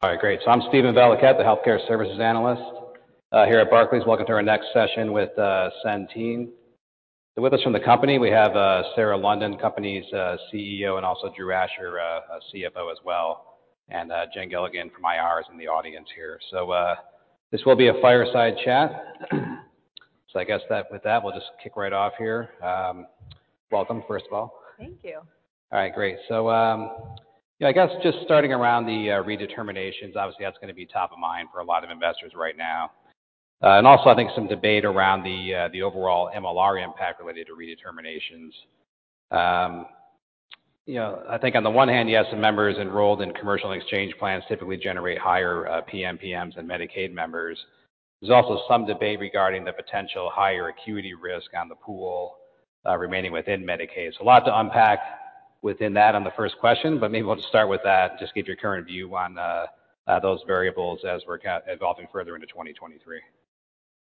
All right, great. I'm Steven Valiquette, the healthcare services analyst here at Barclays. Welcome to our next session with Centene. With us from the company, we have Sarah London, company's CEO, and also Drew Asher, CFO as well, and Jennifer Gilligan from IR is in the audience here. This will be a fireside chat. I guess with that, we'll just kick right off here. Welcome, first of all. Thank you. All right, great. I guess just starting around the redeterminations, obviously, that's going to be top of mind for a lot of investors right now. Also I think some debate around the overall MLR impact related to redeterminations. You know, I think on the one hand, yes, the members enrolled in commercial and exchange plans typically generate higher PMPM than Medicaid members. There's also some debate regarding the potential higher acuity risk on the pool remaining within Medicaid. A lot to unpack within that on the first question, but maybe we'll just start with that and just give your current view on those variables as we're evolving further into 2023.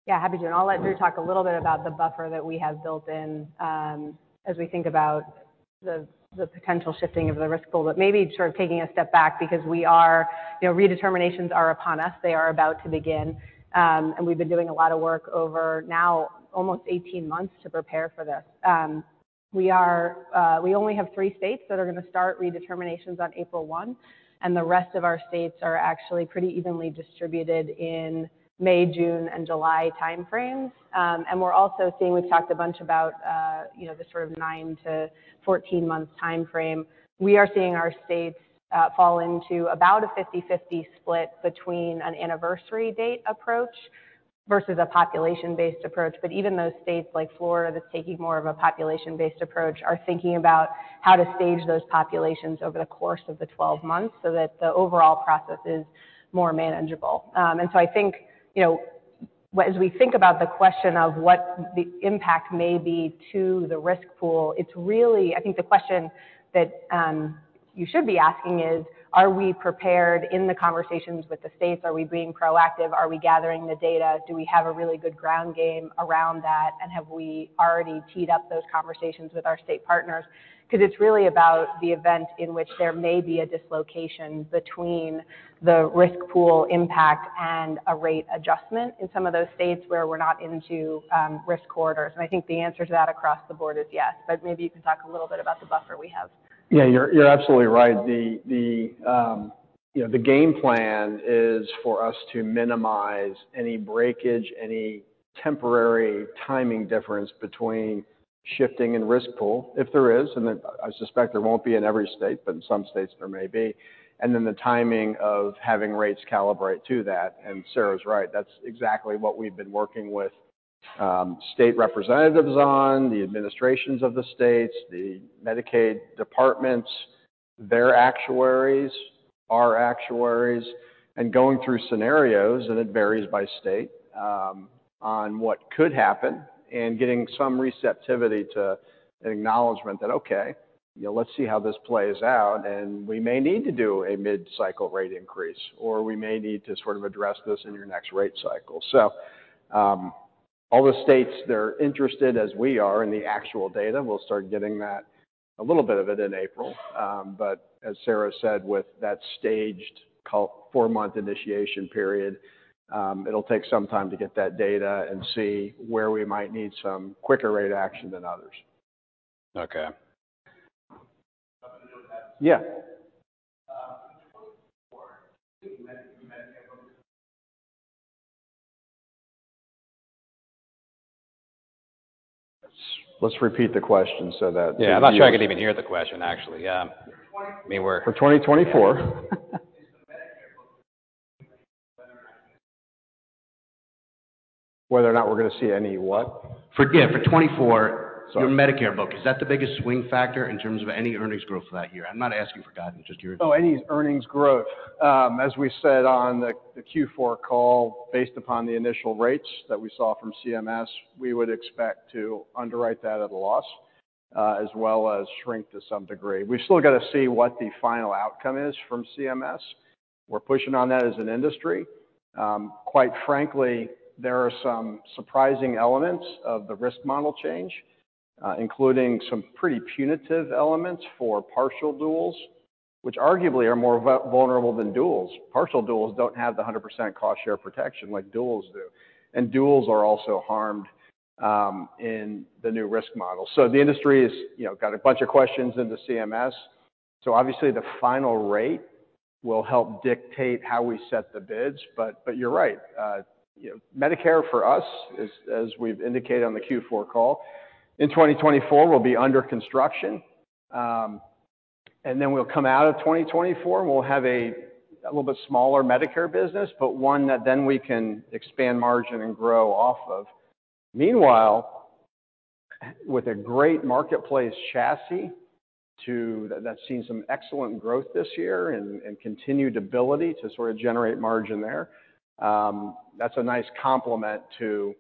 Yeah, happy to. I'll let Drew talk a little bit about the buffer that we have built in, as we think about the potential shifting of the risk pool, but maybe sort of taking a step back because we are, you know, redeterminations are upon us. They are about to begin, and we've been doing a lot of work over now almost 18 months to prepare for this. We only have three states that are gonna start redeterminations on April 1, the rest of our states are actually pretty evenly distributed in May, June, and July time frames. We're also seeing, we've talked a bunch about, the sort of 9-14 months time frame. We are seeing our states fall into about a 50/50 split between an anniversary date approach versus a population-based approach. Even those states like Florida, that's taking more of a population-based approach, are thinking about how to stage those populations over the course of the 12 months so that the overall process is more manageable. we think about the question of what the impact may be to the risk pool, it's really I think the question that you should be asking is, are we prepared in the conversations with the states? Are we being proactive? Are we gathering the data? Do we have a really good ground game around that? Have we already teed up those conversations with our state partners? It's really about the event in which there may be a dislocation between the risk pool impact and a rate adjustment in some of those states where we're not into risk corridors. I think the answer to that across the board is yes. Maybe you can talk a little bit about the buffer we have. Yeah, you're absolutely right. The, you know, the game plan is for us to minimize any breakage, any temporary timing difference between shifting and risk pool, if there is, I suspect there won't be in every state, but in some states there may be, and then the timing of having rates calibrate to that. Sarah's right. That's exactly what we've been working with state representatives on, the administrations of the states, the Medicaid departments, their actuaries, our actuaries, and going through scenarios, and it varies by state on what could happen and getting some receptivity to an acknowledgement that, okay, you know, let's see how this plays out, we may need to do a mid-cycle rate increase, or we may need to sort of address this in your next rate cycle. All the states, they're interested as we are in the actual data. We'll start getting that, a little bit of it in April. As Sarah said, with that staged call four-month initiation period, it'll take some time to get that data and see where we might need some quicker rate action than others. Okay. Yeah. Let's repeat the question so that the viewers- Yeah. I'm not sure I could even hear the question, actually. 2024. I mean. For 2024. Whether or not we're gonna see any what? For, yeah, for 24- Sorry. your Medicare book, is that the biggest swing factor in terms of any earnings growth for that year? I'm not asking for guidance, just your. Any earnings growth. As we said on the Q4 call, based upon the initial rates that we saw from CMS, we would expect to underwrite that at a loss, as well as shrink to some degree. We still gotta see what the final outcome is from CMS. We're pushing on that as an industry. Quite frankly, there are some surprising elements of the risk model change, including some pretty punitive elements for partial duals, which arguably are more vulnerable than duals. Partial duals don't have the 100% cost share protection like duals do, and duals are also harmed in the new risk model. The industry is, you know, got a bunch of questions into CMS. Obviously, the final rate will help dictate how we set the bids. You're right. you know, Medicare for us, as we've indicated on the Q4 call, in 2024 will be under construction. Then we'll come out of 2024, and we'll have a little bit smaller Medicare business, but one that then we can expand margin and grow off of. Meanwhile, with a great marketplace chassis that's seen some excellent growth this year and continued ability to sort of generate margin there, that's a nice complement to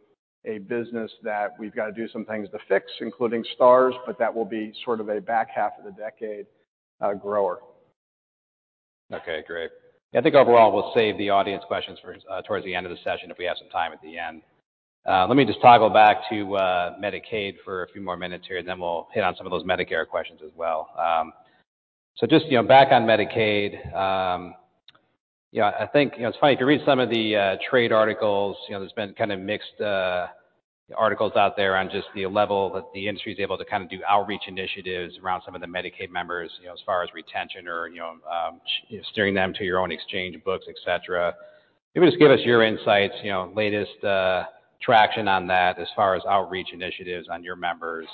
a business that we've got to do some things to fix, including Stars, but that will be sort of a back half of the decade, grower. Okay, great. Yeah, I think overall we'll save the audience questions for towards the end of the session if we have some time at the end. Let me just toggle back to Medicaid for a few more minutes here, then we'll hit on some of those Medicare questions as well. Just, you know, back on Medicaid, you know, I think, you know, it's funny, if you read some of the trade articles, you know, there's been kind of mixed articles out there on just the level that the industry is able to kind of do outreach initiatives around some of the Medicaid members, you know, as far as retention or, you know, steering them to your own exchange books, et cetera. Maybe just give us your insights, you know, latest, traction on that as far as outreach initiatives on your members,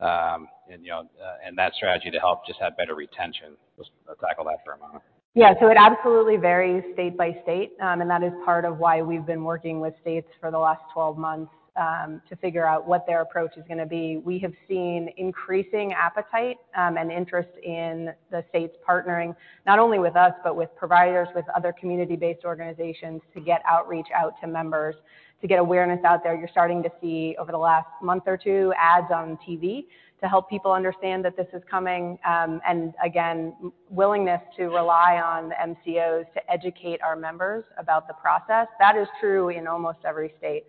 and, you know, and that strategy to help just have better retention. Let's tackle that for a moment. Yeah. It absolutely varies state by state. And that is part of why we've been working with states for the last 12 months to figure out what their approach is gonna be. We have seen increasing appetite and interest in the states partnering not only with us, but with providers, with other community-based organizations to get outreach out to members to get awareness out there. You're starting to see over the last month or two ads on TV to help people understand that this is coming, and again, willingness to rely on MCOs to educate our members about the process. That is true in almost every state.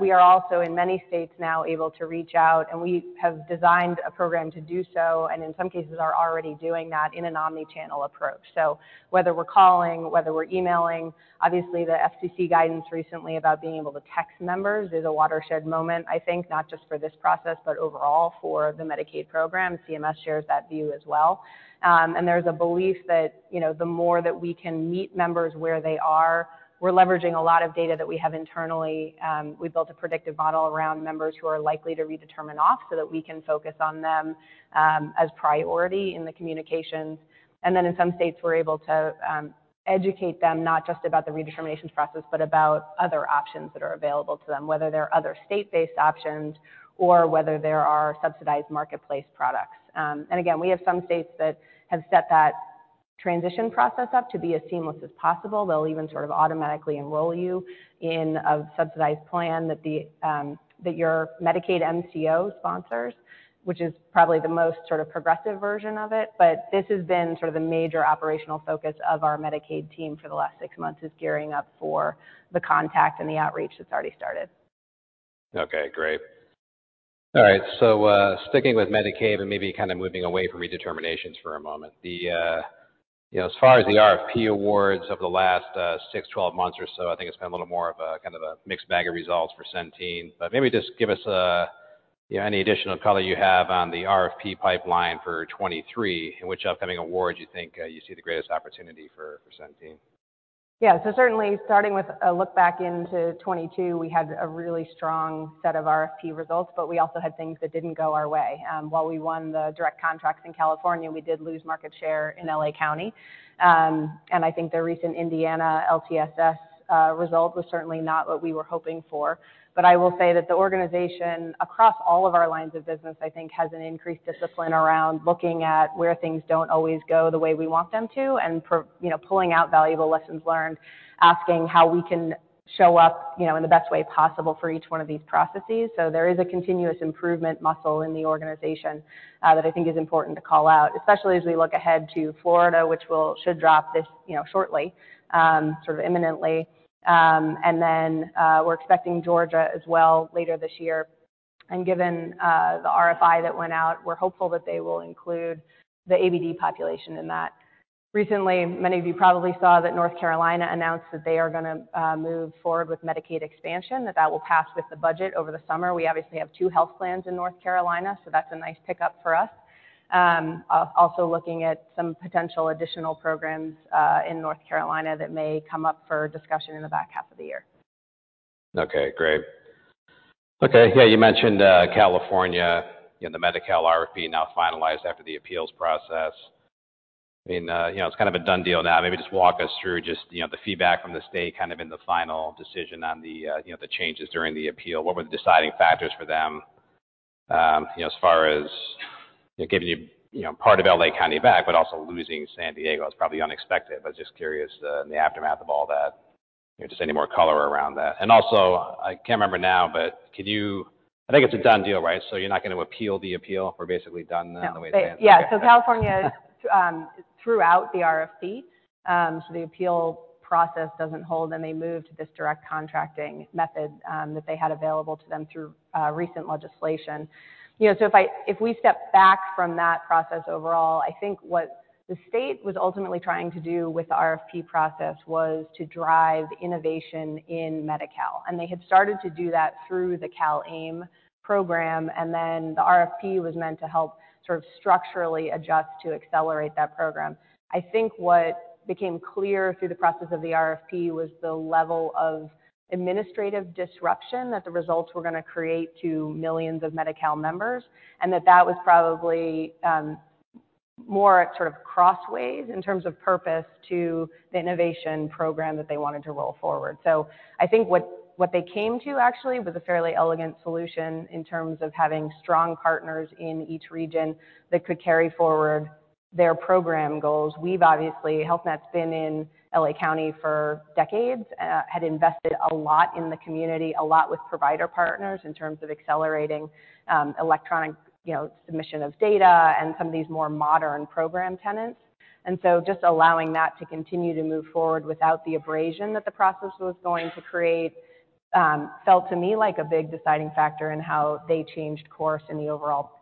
We are also in many states now able to reach out, and we have designed a program to do so, and in some cases are already doing that in an omni-channel approach. Whether we're calling, whether we're emailing, obviously, the FCC guidance recently about being able to text members is a watershed moment, I think not just for this process, but overall for the Medicaid program. CMS shares that view as well. There's a belief that, you know, the more that we can meet members where they are, we're leveraging a lot of data that we have internally. We built a predictive model around members who are likely to redetermine off so that we can focus on them as priority in the communications. In some states, we're able to educate them not just about the redeterminations process, but about other options that are available to them, whether they're other state-based options or whether there are subsidized marketplace products. We have some states that have set that transition process up to be as seamless as possible. They'll even sort of automatically enroll you in a subsidized plan that the, that your Medicaid MCO sponsors, which is probably the most sort of progressive version of it. This has been sort of the major operational focus of our Medicaid team for the last six months is gearing up for the contact and the outreach that's already started. Okay, great. All right. Sticking with Medicaid and maybe kind of moving away from redeterminations for a moment. The, you know, as far as the RFP awards over the last, six, 12 months or so, I think it's been a little more of a kind of a mixed bag of results for Centene. Maybe just give us, you know, any additional color you have on the RFP pipeline for 2023, in which upcoming awards you think, you see the greatest opportunity for Centene. Yeah. Certainly starting with a look back into 2022, we had a really strong set of RFP results, but we also had things that didn't go our way. While we won the direct contracts in California, we did lose market share in L.A. County. I think the recent Indiana LTSS result was certainly not what we were hoping for. I will say that the organization across all of our lines of business, I think has an increased discipline around looking at where things don't always go the way we want them to, and you know, pulling out valuable lessons learned, asking how we can show up, in the best way possible for each one of these processes. There is a continuous improvement muscle in the organization that I think is important to call out, especially as we look ahead to Florida, which should drop this, you know, shortly, sort of imminently. We're expecting Georgia as well later this year. Given the RFI that went out, we're hopeful that they will include the ABD population in that. Recently, many of you probably saw that North Carolina announced that they are gonna move forward with Medicaid expansion, that that will pass with the budget over the summer. We obviously have two health plans in North Carolina, so that's a nice pickup for us. Also looking at some potential additional programs in North Carolina that may come up for discussion in the back half of the year. You mentioned, the Medi-Cal RFP now finalized after the appeals process. I mean, you know, it's kind of a done deal now. Maybe just walk us through just, you know, the feedback from the state kind of in the final decision on the changes during the appeal. What were the deciding factors for them, as far as giving part of L.A. County back, but also losing San Diego is probably unexpected. I was just curious, in the aftermath of all that, you know, just any more color around that. I can't remember now, but I think it's a done deal, right? You're not going to appeal the appeal. We're basically done now the way it's answered. California threw out the RFP. The appeal process doesn't hold, and they moved to this direct contracting method that they had available to them through recent legislation. You know, if we step back from that process overall, I think what the state was ultimately trying to do with the RFP process was to drive innovation in Medi-Cal. They had started to do that through the CalAIM program, the RFP was meant to help sort of structurally adjust to accelerate that program. I think what became clear through the process of the RFP was the level of administrative disruption that the results were gonna create to millions of Medi-Cal members, and that that was probably more at sort of crossways in terms of purpose to the innovation program that they wanted to roll forward. I think what they came to actually was a fairly elegant solution in term of having strong partners in each region that could carry forward their program goals. We've obviously Health Net's been in L.A. County for decades, had invested a lot in the community, a lot with provider partners in terms of accelerating, electronic, you know, submission of data and some of these more modern program tenants. Just allowing that to continue to move forward without the abrasion that the process was going to create, felt to me like a big deciding factor in how they changed course in the overall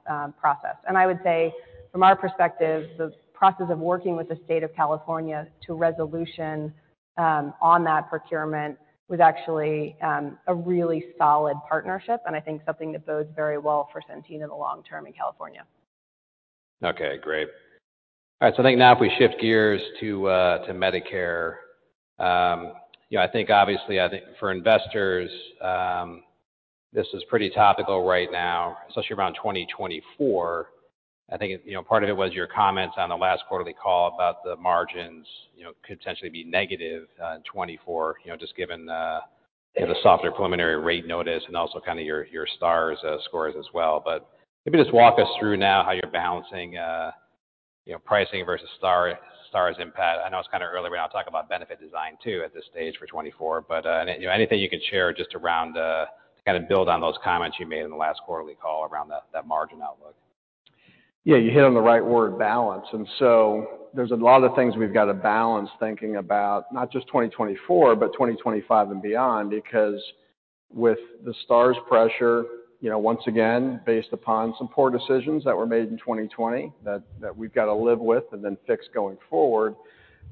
process. I would say from our perspective, the process of working with the state of California to resolution on that procurement was actually a really solid partnership, and I think something that bodes very well for Centene in the long term in California. Okay, great. All right. I think now if we shift gears to Medicare. You know, I think obviously, I think for investors, this is pretty topical right now, especially around 2024. I think, you know, part of it was your comments on the last quarterly call about the margins, you know, could potentially be negative in 2024, you know, just given the softer preliminary rate notice and also kinda your Stars scores as well. Maybe just walk us through now how you're balancing, you know, pricing versus Stars impact. I know it's kinda early. We're not talking about benefit design too at this stage for 2024, but, you know, anything you could share just around to kinda build on those comments you made in the last quarterly call around that margin outlook. Yeah, you hit on the right word, balance. There's a lot of things we've got to balance thinking about not just 2024, but 2025 and beyond. With the Stars pressure, you know, once again, based upon some poor decisions that were made in 2020 that we've got to live with and then fix going forward,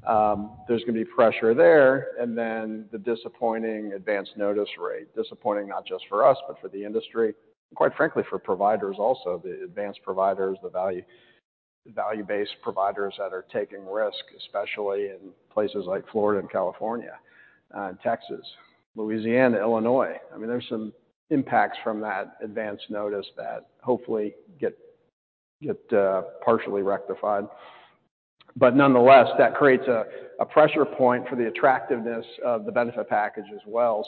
there's gonna be pressure there. Then the disappointing advance notice rate, disappointing not just for us, but for the industry, quite frankly, for providers also, the advanced providers, the value-based providers that are taking risk, especially in places like Florida and California, Texas, Louisiana, Illinois. I mean, there's some impacts from that advance notice that hopefully get partially rectified. Nonetheless, that creates a pressure point for the attractiveness of the benefit package as well.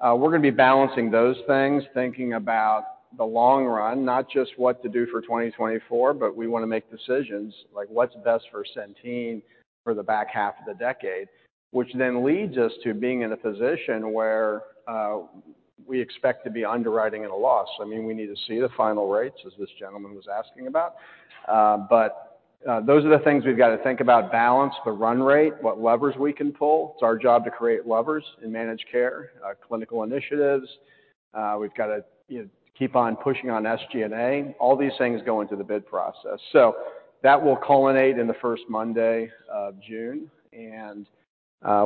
We're going to be balancing those things, thinking about the long run, not just what to do for 2024, but we wanna make decisions like what's best for Centene for the back half of the decade, which then leads us to being in a position where we expect to be underwriting at a loss. I mean, we need to see the final rates, as this gentleman was asking about. Those are the things we've got to think about, balance the run rate, what levers we can pull. It's our job to create levers in managed care, clinical initiatives. We've got to, you know, keep on pushing on SG&A. All these things go into the bid process. That will culminate in the first Monday of June, and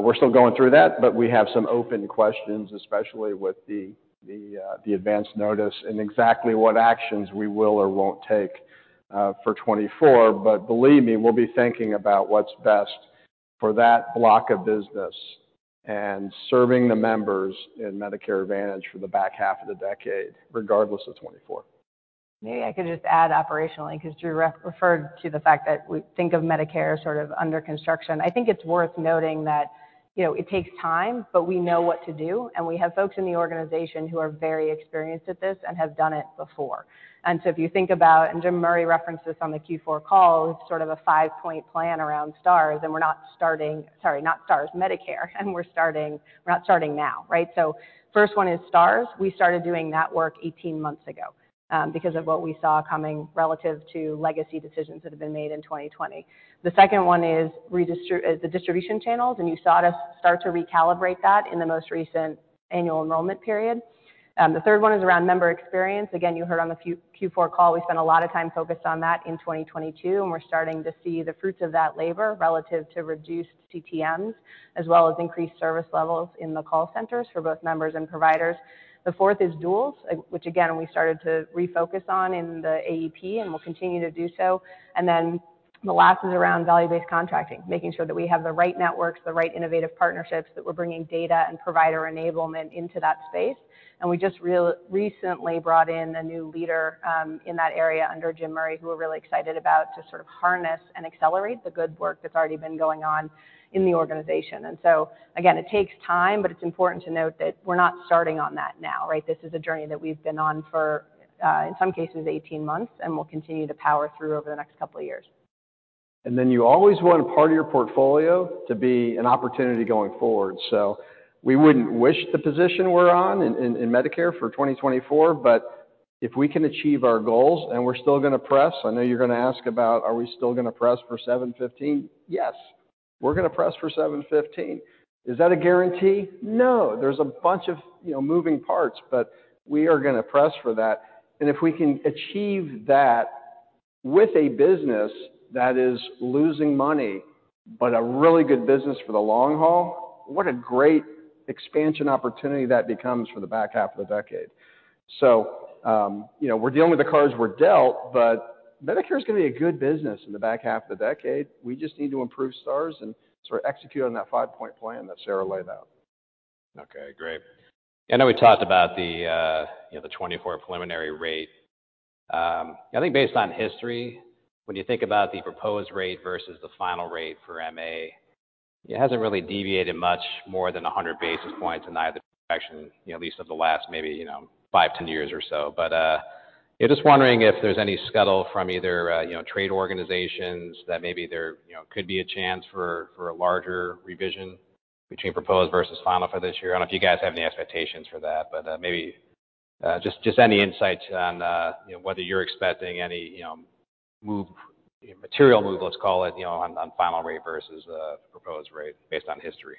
we're still going through that, but we have some open questions, especially with the advance notice and exactly what actions we will or won't take for 2024. Believe me, we'll be thinking about what's best for that block of business and serving the members in Medicare Advantage for the back half of the decade, regardless of 2024. Maybe I could just add operationally, 'cause Drew referred to the fact that we think of Medicare sort of under construction. I think it's worth noting that, you know, it takes time, but we know what to do, and we have folks in the organization who are very experienced at this and have done it before. If you think about, Jim Murray referenced this on the Q4 call, it's sort of a 5-point plan around Stars, not Stars, Medicare, we're not starting now, right? First one is Stars. We started doing that work 18 months ago, because of what we saw coming relative to legacy decisions that have been made in 2020. The second one is the distribution channels, and you saw us start to recalibrate that in the most recent annual enrollment period. The third one is around member experience. Again, you heard on the Q4 call, we spent a lot of time focused on that in 2022, and we're starting to see the fruits of that labor relative to reduced CTMs, as well as increased service levels in the call centers for both members and providers. The fourth is duals, which again, we started to refocus on in the AEP. We'll continue to do so. The last is around value-based contracting, making sure that we have the right networks, the right innovative partnerships, that we're bringing data and provider enablement into that space. We just recently brought in a new leader in that area under Jim Murray, who we're really excited about to sort of harness and accelerate the good work that's already been going on in the organization. Again, it takes time, but it's important to note that we're not starting on that now, right? This is a journey that we've been on for, in some cases 18 months, and we'll continue to power through over the next 2 years. You always want a part of your portfolio to be an opportunity going forward. We wouldn't wish the position we're on in Medicare for 2024, but if we can achieve our goals, and we're still gonna press, I know you're gonna ask about, are we still gonna press for 7.15? Yes, we're gonna press for 7.15. Is that a guarantee? No. There's a bunch of, you know, moving parts, but we are gonna press for that. If we can achieve that with a business that is losing money, but a really good business for the long haul, what a great expansion opportunity that becomes for the back half of the decade. You know, we're dealing with the cards we're dealt, but Medicare's gonna be a good business in the back half of the decade. We just need to improve Stars and sort of execute on that five-point plan that Sarah laid out. Okay, great. I know we talked about the, you know, the 2024 preliminary rate. I think based on history, when you think about the proposed rate versus the final rate for MA, it hasn't really deviated much more than 100 basis points in either direction, you know, at least of the last maybe, you know, 5, 10 years or so. Yeah, just wondering if there's any scuttle from either, you know, trade organizations that maybe there, you know, could be a chance for a larger revision between proposed versus final for this year. I don't know if you guys have any expectations for that, but maybe just any insights on, you know, whether you're expecting any, you know, material move, let's call it, you know, on final rate versus, proposed rate based on history.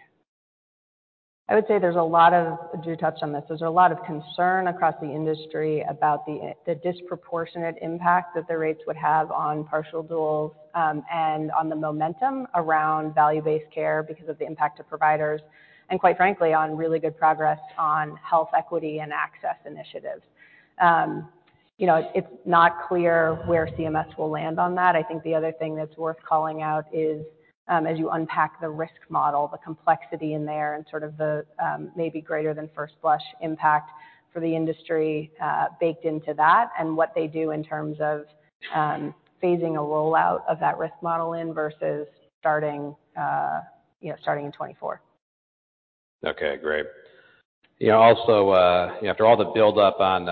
I would say there's a lot of. I do touch on this. There's a lot of concern across the industry about the disproportionate impact that the rates would have on partial duals, and on the momentum around value-based care because of the impact to providers and, quite frankly, on really good progress on health equity and access initiatives. You know, it's not clear where CMS will land on that. I think the other thing that's worth calling out is, as you unpack the risk model, the complexity in there and sort of the maybe greater than first blush impact for the industry, baked into that and what they do in terms of phasing a rollout of that risk model in versus starting, you know, starting in 2024. Okay, great. You know, also, after all the build-up on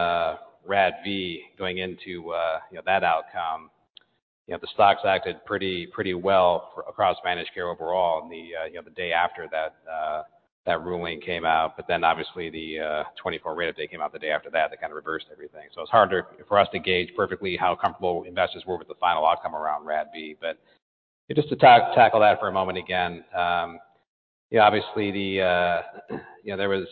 RADV going into, you know, that outcome, you know, the stocks acted pretty well across managed care overall on the, you know, the day after that ruling came out. Obviously, the 2024 rate update came out the day after that kind of reversed everything. It's hard for us to gauge perfectly how comfortable investors were with the final outcome around RADV. Just to tackle that for a moment again, obviously, you know, there was,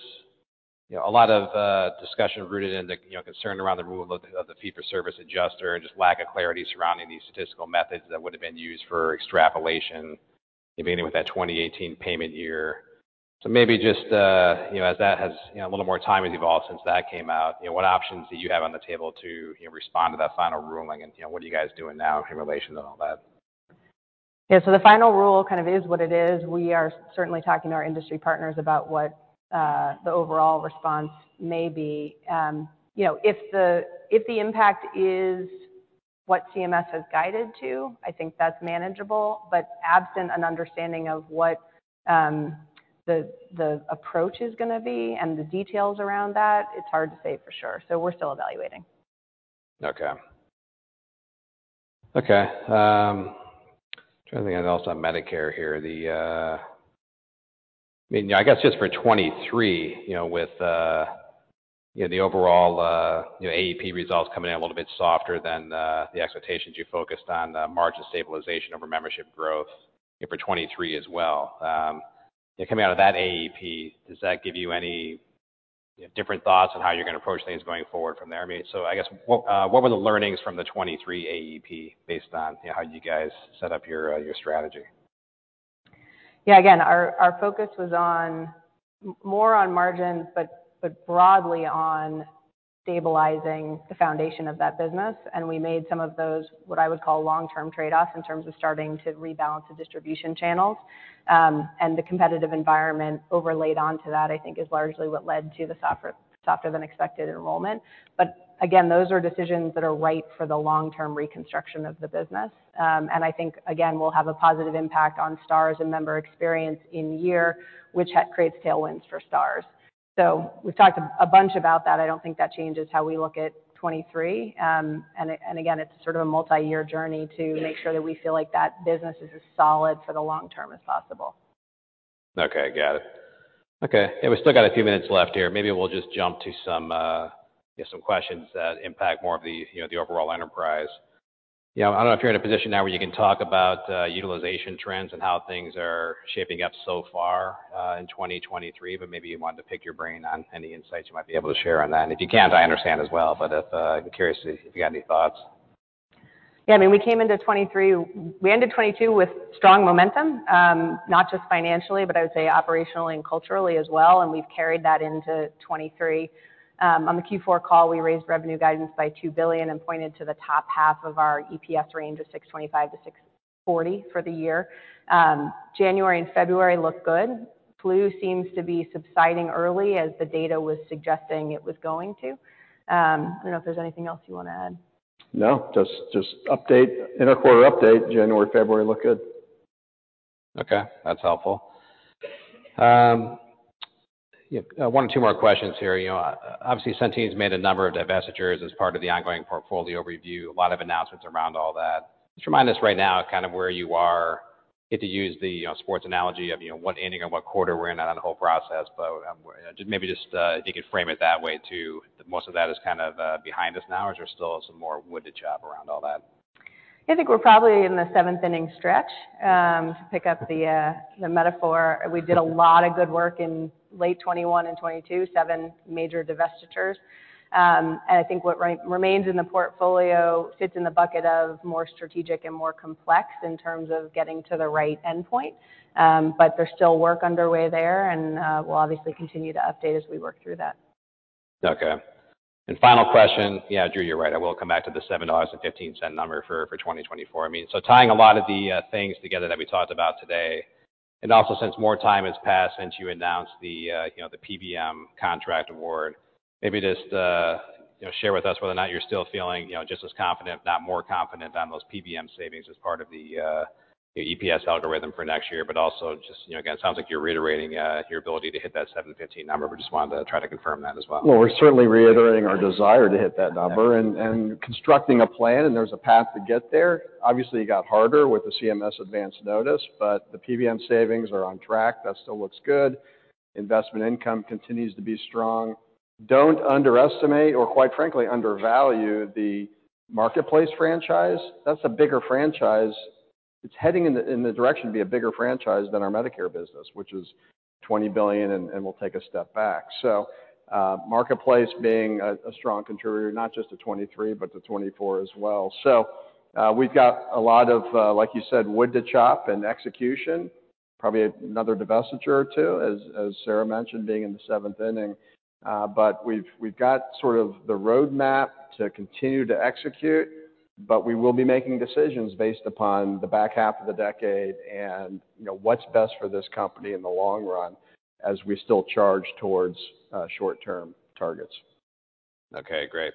you know, a lot of discussion rooted in the, you know, concern around the rule of the fee-for-service adjuster and just lack of clarity surrounding the statistical methods that would have been used for extrapolation, beginning with that 2018 payment year. Maybe just, you know, as that has, you know, a little more time has evolved since that came out, you know, what options do you have on the table to, you know, respond to that final ruling? You know, what are you guys doing now in relation to all that? Yeah. The final rule kind of is what it is. We are certainly talking to our industry partners about what the overall response may be. You know, if the, if the impact is what CMS has guided to, I think that's manageable. Absent an understanding of what the approach is gonna be and the details around that, it's hard to say for sure. We're still evaluating. Okay, trying to think. I also have Medicare here. I mean, I guess just for 2023, you know, with, you know, the overall, you know, AEP results coming in a little bit softer than the expectations, you focused on the margin stabilization over membership growth, you know, for 2023 as well. You know, coming out of that AEP, does that give you any different thoughts on how you're gonna approach things going forward from there? I mean, I guess what were the learnings from the 2023 AEP based on, you know, how you guys set up your strategy? Yeah, again, our focus was more on margins, but broadly on stabilizing the foundation of that business. The competitive environment overlaid onto that, I think, is largely what led to the softer than expected enrollment. Again, those are decisions that are right for the long-term reconstruction of the business. And I think, again, we'll have a positive impact on Stars and member experience in year, which creates tailwinds for Stars. We've talked a bunch about that. I don't think that changes how we look at 2023. And again, it's sort of a multi-year journey to make sure that we feel like that business is as solid for the long term as possible. Okay. Got it. Okay. Yeah, we still got a few minutes left here. Maybe we'll just jump to some questions that impact more of the, you know, the overall enterprise. You know, I don't know if you're in a position now where you can talk about utilization trends and how things are shaping up so far in 2023, but maybe you wanted to pick your brain on any insights you might be able to share on that. If you can't, I understand as well. I'm curious if you got any thoughts. I mean, we came into 2023. We ended 2022 with strong momentum, not just financially, but I would say operationally and culturally as well, and we've carried that into 2023. On the Q4 call, we raised revenue guidance by $2 billion and pointed to the top half of our EPS range of $6.25-$6.40 for the year. January and February look good. Flu seems to be subsiding early as the data was suggesting it was going to. I don't know if there's anything else you wanna add. No. Just update. Interquarter update, January, February look good. That's helpful. Yeah, one or two more questions here. You know, obviously, Centene's made a number of divestitures as part of the ongoing portfolio review, a lot of announcements around all that. Just remind us right now kind of where you are. I hate to use the, you know, sports analogy of, you know, what inning or what quarter we're in on the whole process, but maybe just if you could frame it that way too. Most of that is kind of behind us now, or is there still some more wood to chop around all that? I think we're probably in the seventh inning stretch to pick up the metaphor. We did a lot of good work in late 2021 and 2022, seven major divestitures. I think what remains in the portfolio sits in the bucket of more strategic and more complex in terms of getting to the right endpoint. There's still work underway there, and we'll obviously continue to update as we work through that. Okay. Final question. Drew, you're right. I will come back to the $7.15 number for 2024. I mean, tying a lot of the things together that we talked about today, and also since more time has passed since you announced the, you know, the PBM contract award, maybe just, you know, share with us whether or not you're still feeling, just as confident, if not more confident on those PBM savings as part of the EPS algorithm for next year. Also just, you know, again, it sounds like you're reiterating your ability to hit that $7.15 number. We just wanted to try to confirm that as well. We're certainly reiterating our desire to hit that number and constructing a plan. There's a path to get there. Obviously, it got harder with the CMS advance notice. The PBM savings are on track. That still looks good. Investment income continues to be strong. Don't underestimate or quite frankly, undervalue the marketplace franchise. That's a bigger franchise. It's heading in the direction to be a bigger franchise than our Medicare business, which is $20 billion and will take a step back. Marketplace being a strong contributor, not just to 2023, but to 2024 as well. We've got a lot of, like you said, wood to chop and execution, probably another divestiture or two as Sarah mentioned, being in the seventh inning. We have got sort of the roadmap to continue to execute, but we will be making decisions based upon the back half of the decade. what's best for this company in the long run as we still charge towards short-term targets. Okay, great.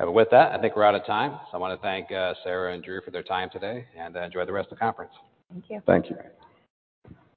With that, I think we're out of time. I want to thank Sarah and Drew for their time today, and enjoy the rest of the conference. Thank you. Thank you.